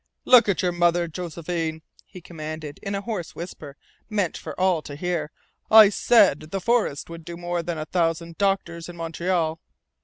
"Look at your mother, Josephine," he commanded in a hoarse whisper, meant for all to hear. "I said the forests would do more than a thousand doctors in Montreal!"